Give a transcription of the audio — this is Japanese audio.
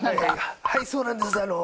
はいそうなんですあの。